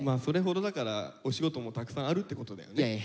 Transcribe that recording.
それほどだからお仕事もたくさんあるってことだよね。